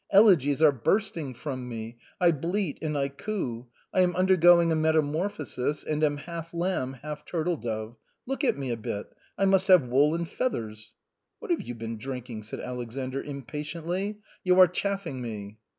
Elegies are bursting from me, I bleat and I coo ; I am undergoing a metamorphosis, and am half lamb, half turtledove. Look at me a bit, I must have wool and feathers." "What have you been drinking?" said Alexander im patiently, " you are chaffing me."